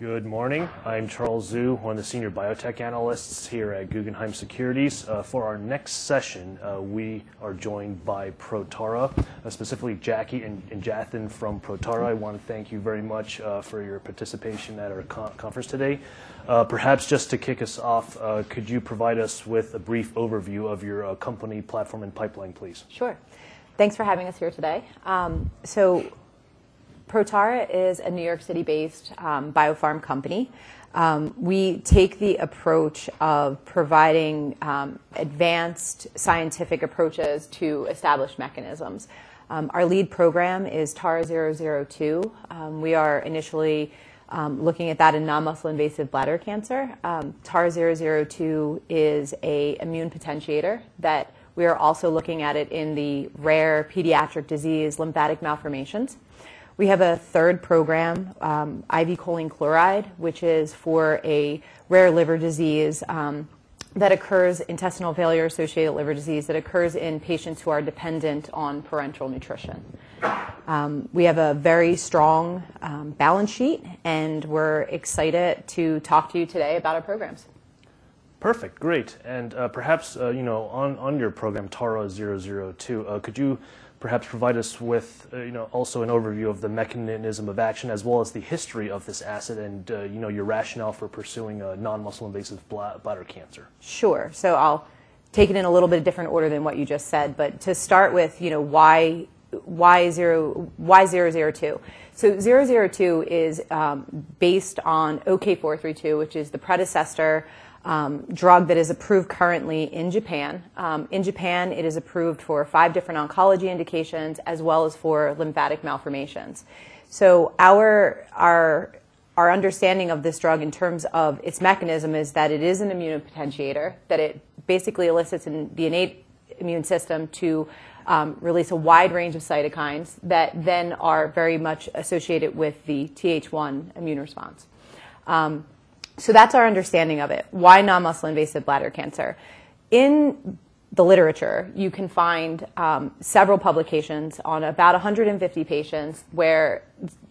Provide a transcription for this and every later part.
Good morning. I'm Charles Zhu, one of the Senior Biotechnology Analysts here at Guggenheim Securities. For our next session, we are joined by Protara, specifically Jackie and Jathin from Protara. I wanna thank you very much for your participation at our conference today. Perhaps just to kick us off, could you provide us with a brief overview of your company platform and pipeline, please? Sure. Thanks for having us here today. Protara is a New York City-based biopharm company. We take the approach of providing advanced scientific approaches to establish mechanisms. Our lead program is TARA-002. We are initially looking at that in non-muscle invasive bladder cancer. TARA-002 is a immunopotentiator that we are also looking at it in the rare pediatric disease, lymphatic malformations. We have a third program, IV Choline Chloride, which is for a rare liver disease, intestinal failure-associated liver disease that occurs in patients who are dependent on parenteral nutrition. We have a very strong balance sheet, and we're excited to talk to you today about our programs. Perfect. Great. Perhaps, you know, on your program, TARA-002, could you perhaps provide us with, you know, also an overview of the mechanism of action as well as the history of this asset, and, you know, your rationale for pursuing non-muscle invasive bladder cancer? Sure. I'll take it in a little bit different order than what you just said, but to start with, you know, why 002? 002 is based on OK-432, which is the predecessor drug that is approved currently in Japan. In Japan, it is approved for five different oncology indications as well as for lymphatic malformations. Our understanding of this drug in terms of its mechanism is that it is an immunopotentiator, that it basically elicits the innate immune system to release a wide range of cytokines that then are very much associated with the Th1 immune response. That's our understanding of it. Why non-muscle invasive bladder cancer? In the literature, you can find several publications on about 150 patients where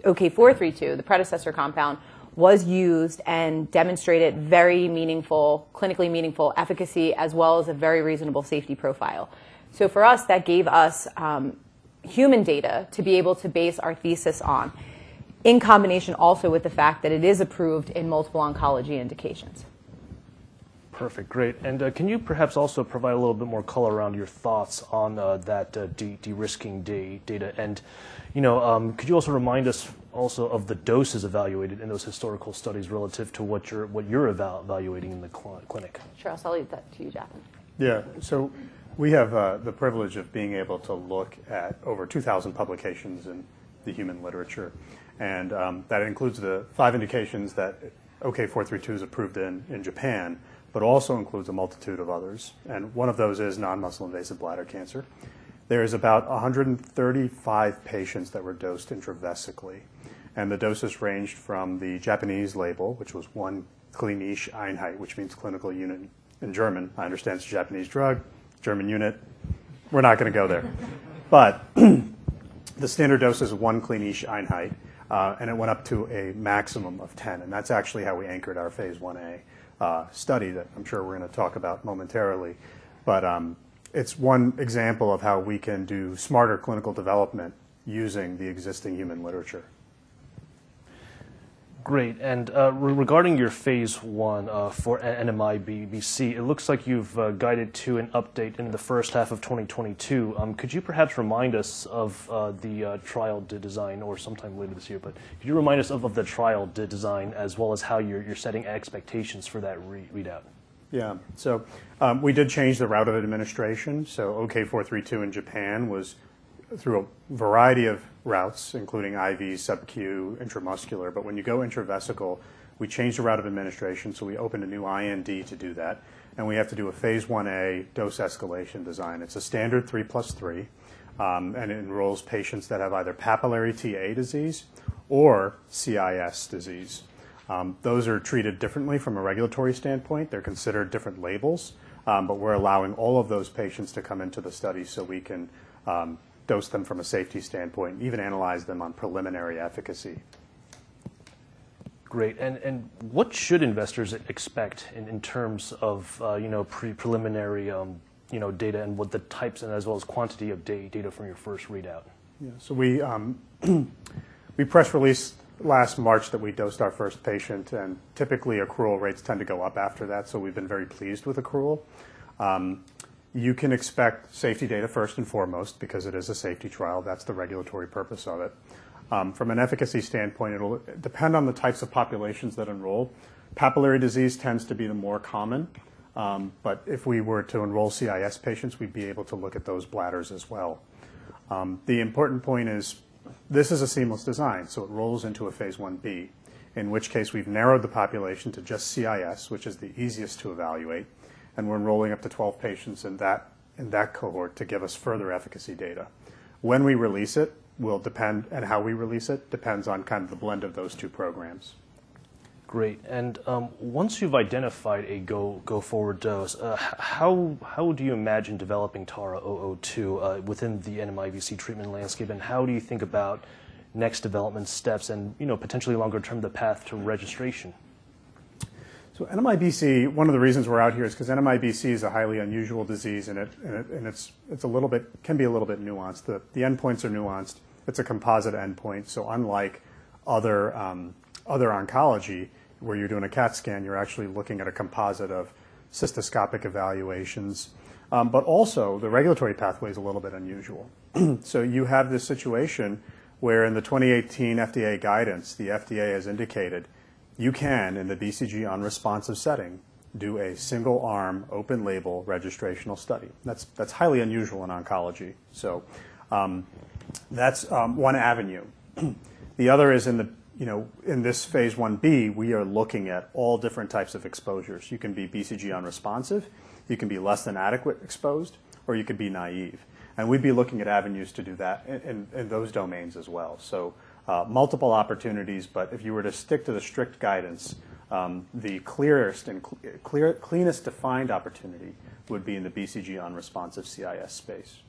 OK-432, the predecessor compound, was used and demonstrated very clinically meaningful efficacy as well as a very reasonable safety profile. For us, that gave us human data to be able to base our thesis on in combination also with the fact that it is approved in multiple oncology indications. Perfect. Great. Can you perhaps also provide a little bit more color around your thoughts on derisking data? You know, could you also remind us of the doses evaluated in those historical studies relative to what you're evaluating in the clinic? Sure. I'll leave that to you, Jathin. Yeah. We have the privilege of being able to look at over 2,000 publications in the human literature, and that includes the five indications that OK-432 is approved in Japan, but also includes a multitude of others, and one of those is non-muscle invasive bladder cancer. There is about 135 patients that were dosed intravesically, and the doses ranged from the Japanese label, which was 1 Klinische Einheit, which means clinical unit in German. I understand it's a Japanese drug, German unit. We're not gonna go there. The standard dose is 1 Klinische Einheit, and it went up to a maximum of 10, and that's actually how we anchored our phase Ia study that I'm sure we're gonna talk about momentarily. It's one example of how we can do smarter clinical development using the existing human literature. Great. Regarding your phase I for NMIBC, it looks like you've guided to an update in the H1 of 2022. Could you perhaps remind us of the trial design or sometime later this year? Could you remind us of the trial design as well as how you're setting expectations for that readout? We did change the route of administration. OK-432 in Japan was through a variety of routes, including IV, subQ, intramuscular. When you go intravesical, we changed the route of administration, so we opened a new IND to do that, and we have to do a phase Ia dose escalation design. It's a standard 3+3, and it enrolls patients that have either papillary TA disease or CIS disease. Those are treated differently from a regulatory standpoint. They're considered different labels, we're allowing all of those patients to come into the study so we can dose them from a safety standpoint, even analyze them on preliminary efficacy. Great. What should investors expect in terms of, you know, preliminary, you know, data and what the types and as well as quantity of data from your first readout? Yeah. We press released last March that we dosed our first patient, and typically accrual rates tend to go up after that, so we've been very pleased with accrual. You can expect safety data first and foremost because it is a safety trial. That's the regulatory purpose of it. From an efficacy standpoint, it'll depend on the types of populations that enroll. Papillary disease tends to be the more common, but if we were to enroll CIS patients, we'd be able to look at those bladders as well. The important point is this is a seamless design, so it rolls into a Phase Ib, in which case we've narrowed the population to just CIS, which is the easiest to evaluate, and we're enrolling up to 12 patients in that cohort to give us further efficacy data. When we release it will depend and how we release it depends on kind of the blend of those two programs. Great. Once you've identified a go-forward dose, how do you imagine developing TARA-002 within the NMIBC treatment landscape, and how do you think about next development steps and, you know, potentially longer-term the path to registration? NMIBC, one of the reasons we're out here is because NMIBC is a highly unusual disease, and it's a little bit nuanced. The endpoints are nuanced. It's a composite endpoint, so unlike other oncology where you're doing a CAT scan, you're actually looking at a composite of cystoscopic evaluations. Also the regulatory pathway is a little bit unusual. You have this situation where in the 2018 FDA guidance, the FDA has indicated you can, in the BCG-unresponsive setting, do a single-arm open label registrational study. That's highly unusual in oncology. That's one avenue. The other is in the, you know, in this phase Ib, we are looking at all different types of exposures. You can be BCG-unresponsive, you can be less than adequate exposed, or you could be naïve, and we'd be looking at avenues to do that in those domains as well. Multiple opportunities, but if you were to stick to the strict guidance, the clearest and cleanest defined opportunity would be in the BCG-unresponsive CIS space.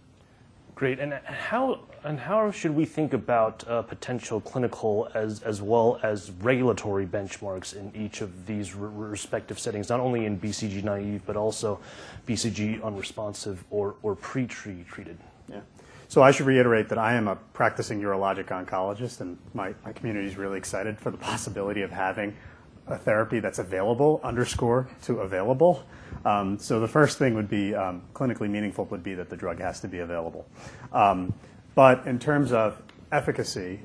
Great. How should we think about potential clinical as well as regulatory benchmarks in each of these respective settings, not only in BCG-naïve but also BCG-unresponsive or pre-treated? Yeah. I should reiterate that I am a practicing urologic oncologist, and my community is really excited for the possibility of having a therapy that's available, underscore to available. The first thing would be clinically meaningful would be that the drug has to be available. In terms of efficacy,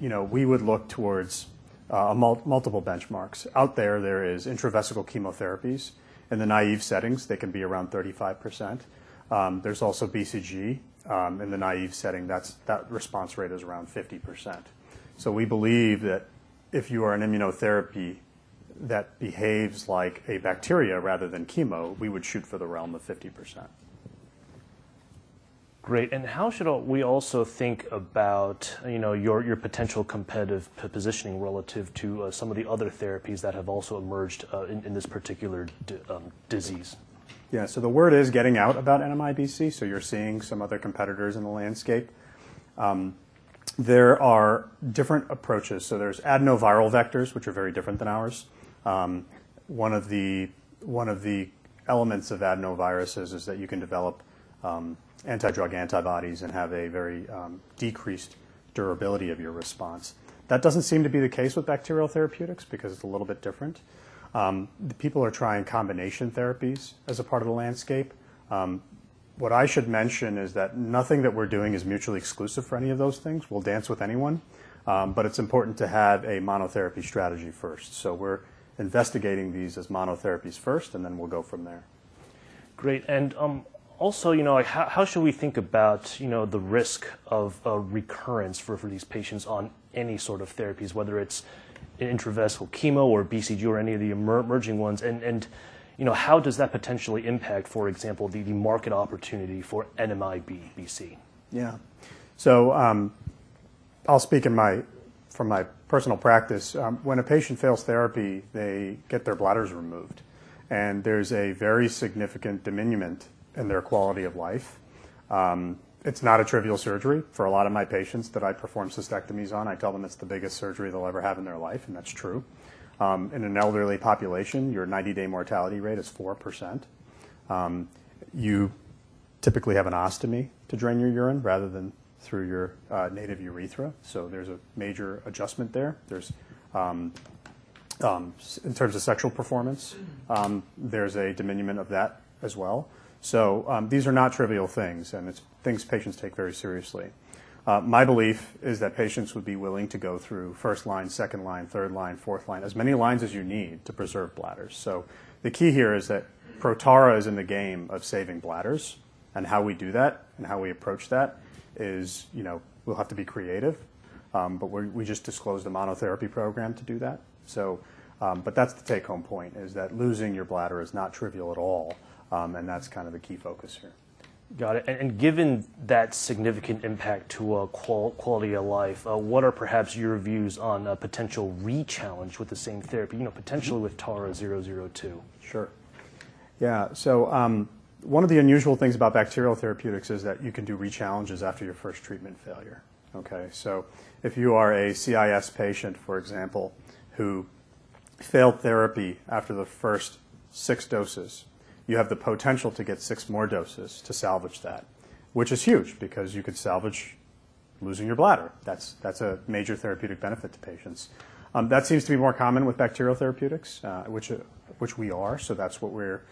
you know, we would look towards multiple benchmarks. Out there is intravesical chemotherapies. In the naive settings, they can be around 35%. There's also BCG in the naive setting. That response rate is around 50%. We believe that if you are an immunotherapy that behaves like a bacteria rather than chemo, we would shoot for the realm of 50%. Great. How should we also think about, you know, your potential competitive positioning relative to some of the other therapies that have also emerged in this particular disease? Yeah. The word is getting out about NMIBC, so you're seeing some other competitors in the landscape. There are different approaches. There's adenoviral vectors, which are very different than ours. One of the elements of adenoviruses is that you can develop anti-drug antibodies and have a very decreased durability of your response. That doesn't seem to be the case with bacterial therapeutics because it's a little bit different. People are trying combination therapies as a part of the landscape. What I should mention is that nothing that we're doing is mutually exclusive for any of those things. We'll dance with anyone, but it's important to have a monotherapy strategy first. We're investigating these as monotherapies first, and then we'll go from there. Great. Also, you know, like how should we think about, you know, the risk of a recurrence for these patients on any sort of therapies, whether it's intravesical chemo or BCG or any of the emerging ones and, you know, how does that potentially impact, for example, the market opportunity for NMIBC? Yeah. I'll speak from my personal practice. When a patient fails therapy, they get their bladders removed, and there's a very significant diminishment in their quality of life. It's not a trivial surgery for a lot of my patients that I perform cystectomies on. I tell them it's the biggest surgery they'll ever have in their life, and that's true. In an elderly population, your 90-day mortality rate is 4%. You typically have an ostomy to drain your urine rather than through your native urethra, so there's a major adjustment there. There's in terms of sexual performance, there's a diminishment of that as well. These are not trivial things, and it's things patients take very seriously. My belief is that patients would be willing to go through first line, second line, third line, fourth line, as many lines as you need to preserve bladders. The key here is that Protara is in the game of saving bladders, and how we do that and how we approach that is, you know, we'll have to be creative. But we just disclosed a monotherapy program to do that. That's the take-home point, is that losing your bladder is not trivial at all, and that's kind of the key focus here. Got it. Given that significant impact to quality of life, what are perhaps your views on a potential re-challenge with the same therapy, you know, potentially with TARA-002? Sure. Yeah. One of the unusual things about bacterial therapeutics is that you can do re-challenges after your first treatment failure, okay? If you are a CIS patient, for example, who failed therapy after the first six doses, you have the potential to get six more doses to salvage that, which is huge because you could salvage losing your bladder. That's a major therapeutic benefit to patients. That seems to be more common with bacterial therapeutics, which we are, so that's what we're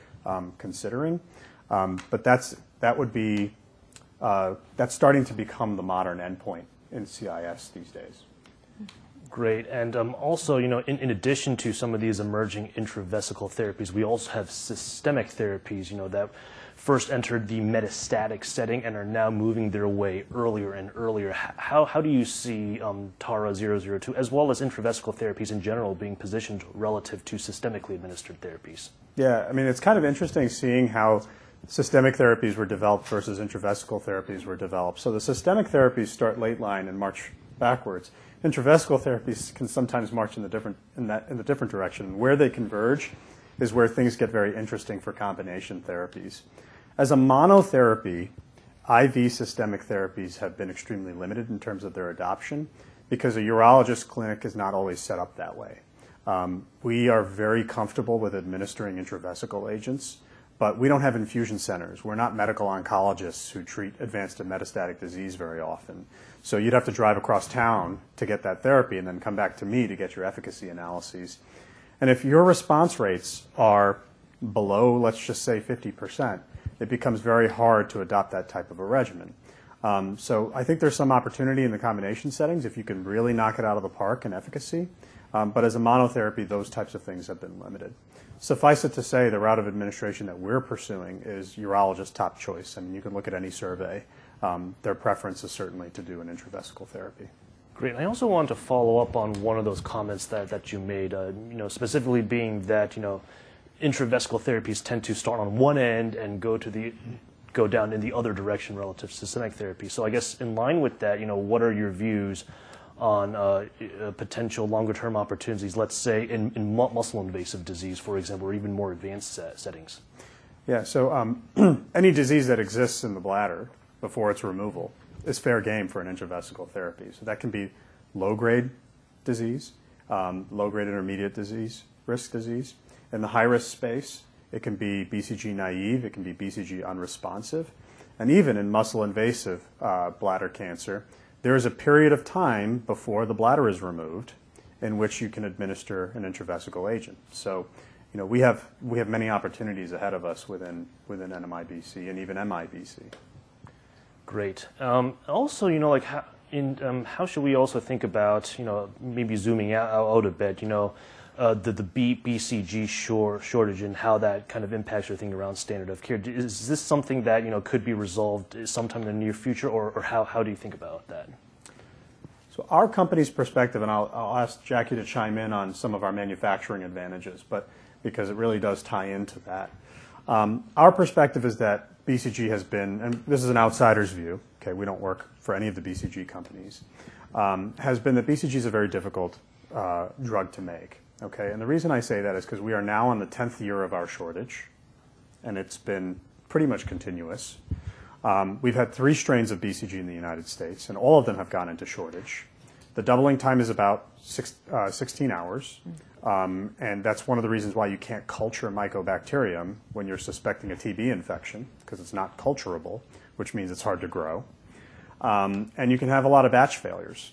considering. That would be, that's starting to become the modern endpoint in CIS these days. Great. Also, you know, in addition to some of these emerging intravesical therapies, we also have systemic therapies, you know, that first entered the metastatic setting and are now moving their way earlier and earlier. How do you see TARA-002 as well as intravesical therapies in general being positioned relative to systemically administered therapies? I mean, it's kind of interesting seeing how systemic therapies were developed versus intravesical therapies were developed. The systemic therapies start late line and march backwards. Intravesical therapies can sometimes march in the different direction. Where they converge is where things get very interesting for combination therapies. As a monotherapy-IV systemic therapies have been extremely limited in terms of their adoption because a urologist clinic is not always set up that way. We are very comfortable with administering intravesical agents, but we don't have infusion centers. We're not medical oncologists who treat advanced and metastatic disease very often. You'd have to drive across town to get that therapy and then come back to me to get your efficacy analyses. If your response rates are below, let's just say 50%, it becomes very hard to adopt that type of a regimen. I think there's some opportunity in the combination settings if you can really knock it out of the park in efficacy. As a monotherapy, those types of things have been limited. Suffice it to say, the route of administration that we're pursuing is urologist top choice, and you can look at any survey. Their preference is certainly to do an intravesical therapy. Great. I also want to follow up on one of those comments that you made, you know, specifically being that, you know, intravesical therapies tend to start on one end and go down in the other direction relative to systemic therapy. I guess in line with that, you know, what are your views on potential longer-term opportunities, let's say in muscle-invasive disease, for example, or even more advanced settings? Yeah. Any disease that exists in the bladder before its removal is fair game for an intravesical therapy. That can be low-grade disease, low-grade intermediate disease, risk disease. In the high-risk space it can be BCG-naïve, it can be BCG-unresponsive, and even in muscle-invasive bladder cancer, there is a period of time before the bladder is removed in which you can administer an intravesical agent. You know, we have many opportunities ahead of us within NMIBC and even MIBC. Great. Also, you know, like, how should we also think about, you know, maybe zooming out a bit, you know, the BCG shortage and how that kind of impacts your thinking around standard of care? Is this something that, you know, could be resolved sometime in the near future, or how do you think about that? Our company's perspective, and I'll ask Jackie to chime in on some of our manufacturing advantages, but because it really does tie into that. Our perspective is that BCG has been... and this is an outsider's view, okay? We don't work for any of the BCG companies. Has been that BCG is a very difficult drug to make, okay? The reason I say that is 'cause we are now in the 10th year of our shortage, and it's been pretty much continuous. We've had three strains of BCG in the United States, and all of them have gone into shortage. The doubling time is about 16 hours. Mm-hmm. That's one of the reasons why you can't culture Mycobacterium when you're suspecting a TB infection, 'cause it's not culturable, which means it's hard to grow. You can have a lot of batch failures.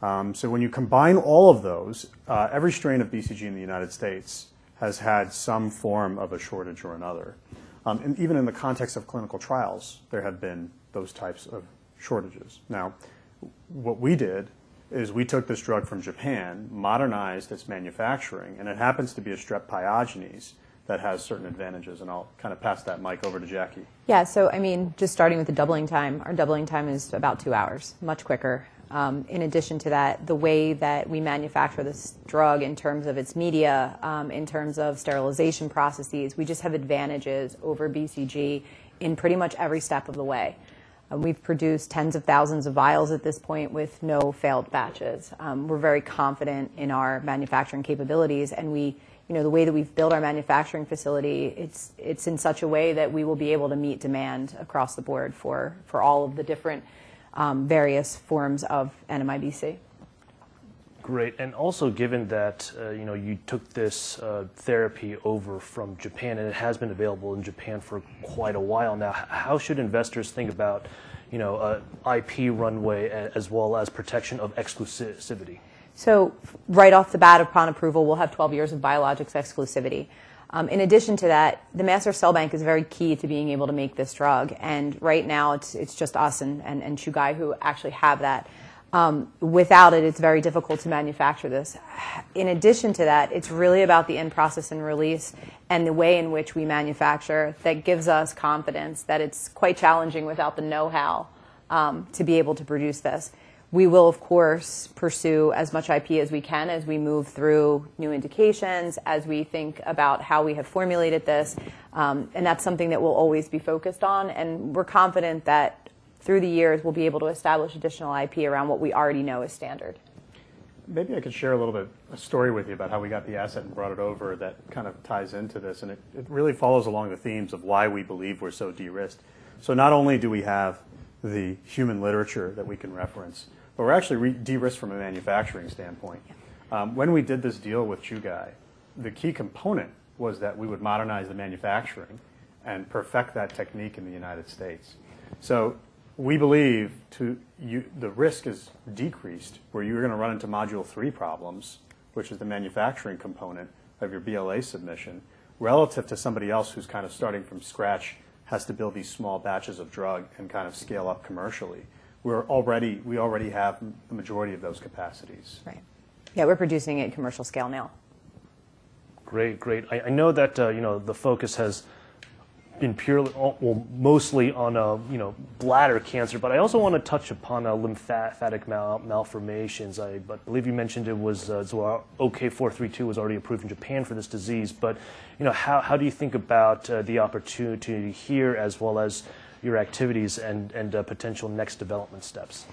When you combine all of those, every strain of BCG in the United States has had some form of a shortage or another. Even in the context of clinical trials, there have been those types of shortages. Now, what we did is we took this drug from Japan, modernized its manufacturing, and it happens to be a Streptococcus pyogenes that has certain advantages, and I'll kinda pass that mic over to Jackie. I mean, just starting with the doubling time, our doubling time is about two hours, much quicker. In addition to that, the way that we manufacture this drug in terms of its media, in terms of sterilization processes, we just have advantages over BCG in pretty much every step of the way. We've produced tens of thousands of vials at this point with no failed batches. We're very confident in our manufacturing capabilities, you know, the way that we've built our manufacturing facility, it's in such a way that we will be able to meet demand across the board for all of the different, various forms of NMIBC. Great. Also given that, you know, you took this therapy over from Japan and it has been available in Japan for quite a while now, how should investors think about, you know, IP runway as well as protection of exclusivity? Right off the bat, upon approval, we'll have 12 years of biologics exclusivity. In addition to that, the master cell bank is very key to being able to make this drug, and right now it's just us and Chugai who actually have that. Without it's very difficult to manufacture this. In addition to that, it's really about the end process and release and the way in which we manufacture that gives us confidence that it's quite challenging without the know-how to be able to produce this. We will of course, pursue as much IP as we can as we move through new indications, as we think about how we have formulated this, and that's something that we'll always be focused on, and we're confident that through the years we'll be able to establish additional IP around what we already know is standard. Maybe I can share a little bit, a story with you about how we got the asset and brought it over that kind of ties into this, and it really follows along the themes of why we believe we're so de-risked. Not only do we have the human literature that we can reference, but we're actually re- de-risked from a manufacturing standpoint. When we did this deal with Chugai, the key component was that we would modernize the manufacturing and perfect that technique in the United States. We believe the risk is decreased where you're going to run into Module 3 problems, which is the manufacturing component of your BLA submission, relative to somebody else who's kind of starting from scratch, has to build these small batches of drug and kind of scale up commercially. We already have the majority of those capacities. Right. Yeah, we're producing at commercial scale now. Great. Great. I know that, you know, the focus has been purely or mostly on, you know, bladder cancer, but I also wanna touch upon lymphatic malformations. I believe you mentioned it was OK-432 was already approved in Japan for this disease. You know, how do you think about the opportunity here as well as your activities and potential next development steps?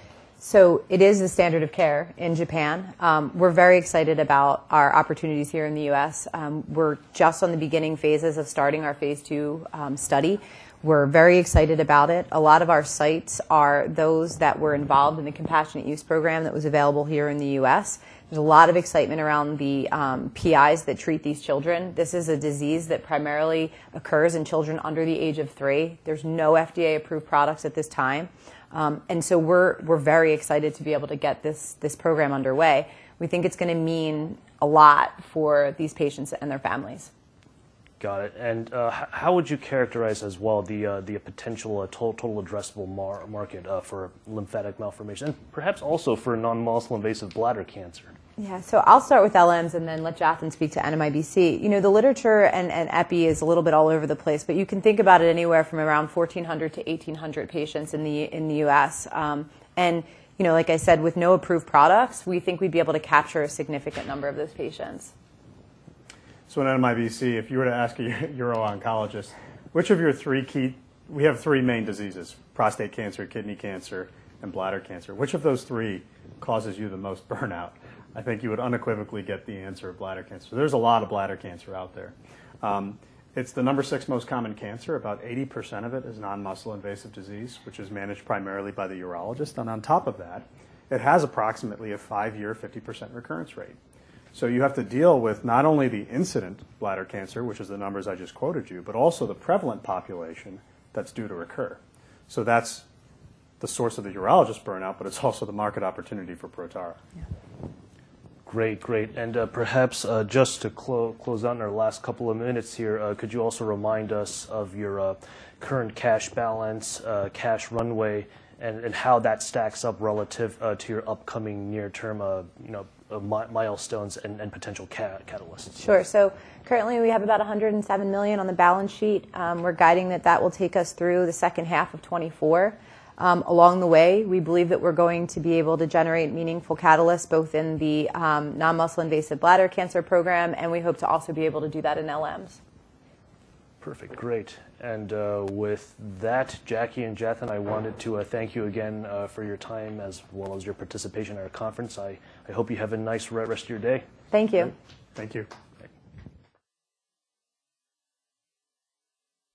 It is the standard of care in Japan. We're very excited about our opportunities here in the US. We're just on the beginning phases of starting our phase II study. We're very excited about it. A lot of our sites are those that were involved in the Compassionate Use Program that was available here in the US. There's a lot of excitement around the PIs that treat these children. This is a disease that primarily occurs in children under the age of three. There's no FDA-approved products at this time. We're very excited to be able to get this program underway. We think it's gonna mean a lot for these patients and their families. Got it. How would you characterize as well the potential total addressable market for lymphatic malformation, perhaps also for non-muscle invasive bladder cancer? Yeah. I'll start with LMs and then let Jathin speak to NMIBC. You know, the literature and epi is a little bit all over the place, but you can think about it anywhere from around 1,400-1,800 patients in the U.S., and, you know, like I said, with no approved products, we think we'd be able to capture a significant number of those patients. In NMIBC, if you were to ask a Uro-oncologist, which of your three key... We have three main diseases, prostate cancer, kidney cancer, and bladder cancer. Which of those three causes you the most burnout? I think you would unequivocally get the answer of bladder cancer. There's a lot of bladder cancer out there. It's the number 6 most common cancer. About 80% of it is non-muscle invasive disease, which is managed primarily by the urologist, and on top of that, it has approximately a five-year 50% recurrence rate. You have to deal with not only the incident bladder cancer, which is the numbers I just quoted you, but also the prevalent population that's due to recur. That's the source of the urologist burnout, but it's also the market opportunity for Protara. Yeah. Great. Great. Perhaps, just to close on our last couple of minutes here, could you also remind us of your current cash balance, cash runway, and how that stacks up relative to your upcoming near term, you know, milestones and potential catalysts? Sure. Currently, we have about $107 million on the balance sheet. We're guiding that that will take us through the second half of 2024. Along the way, we believe that we're going to be able to generate meaningful catalysts both in the non-muscle invasive bladder cancer program, and we hope to also be able to do that in LMs. Perfect. Great. With that, Jackie and Jathin, I wanted to thank you again for your time as well as your participation in our conference. I hope you have a nice rest of your day. Thank you. Thank you. Okay.